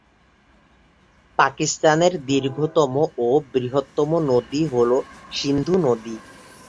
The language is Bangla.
পাকিস্তানের দীর্ঘতম ও বৃহত্তম নদী হল সিন্ধু নদী।